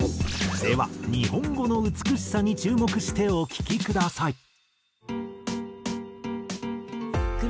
では日本語の美しさに注目してお聴きください。